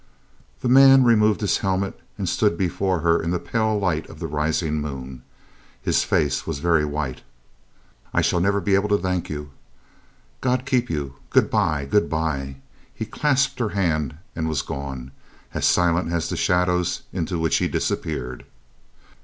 The man removed his helmet and stood before her in the pale light of the rising moon. His face was very white. "I shall never be able to thank you. God keep you. Good bye, good bye." He clasped her hand and was gone, as silent as the shadows into which he disappeared.